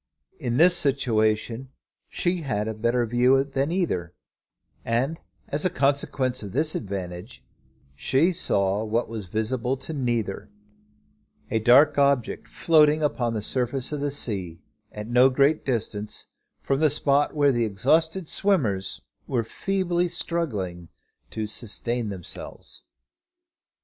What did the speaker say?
In this situation she had a better view than either; and, as a consequence of this advantage, she saw what was visible to neither, a dark object floating upon the surface of the sea at no great distance from the spot where the exhausted swimmers were feebly struggling to sustain themselves.